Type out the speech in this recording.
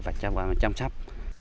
làm chăm sóc